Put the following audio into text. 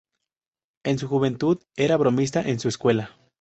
En su juventud, era un bromista en su escuela.